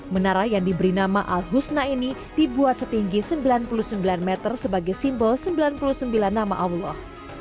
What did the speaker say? menara yang diberi nama al husna ini dibuat setinggi sembilan puluh sembilan meter sebagai simbol sembilan puluh sembilan nama allah